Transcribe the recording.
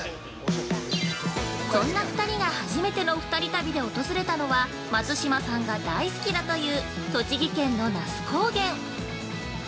そんな２人が、初めての２人旅で訪れたのは、松嶋さんが大好きだという栃木県の那須高原。